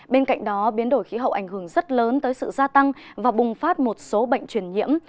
bên cạnh đó biến đổi khí hậu ảnh hưởng rất lớn tới sự gia tăng và bùng phát một số bệnh truyền nhiễm